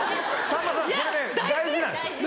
さんまさん大事なんです。